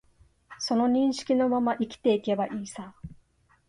その認識のまま生きていけばいいさ